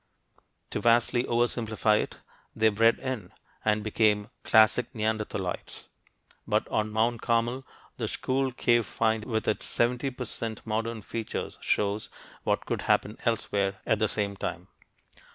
To vastly over simplify it, they "bred in" and became classic neanderthaloids. But on Mount Carmel, the Skhul cave find with its 70 per cent modern features shows what could happen elsewhere at the same time.